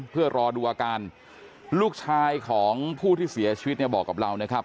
เพื่อรอดูอาการลูกชายของผู้ที่เสียชีวิตเนี่ยบอกกับเรานะครับ